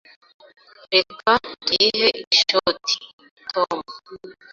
Reka tuyihe ishoti, Tom.